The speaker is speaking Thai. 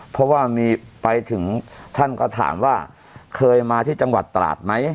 เพราะว่ามีไปถึงท่านก็ถามว่าเคยมาที่จังหวัดตราดไหม